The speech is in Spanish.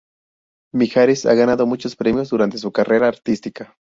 Mijares ha ganado muchos premios durante su carrera artística.